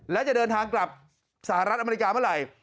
และจะเดินทางกลับสหรัฐอเมริกาเมื่อไหร่